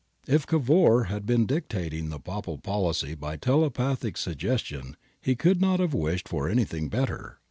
If Cavour had been dictating the Papal policy by telepathic suggestion he could not have wished for anything better.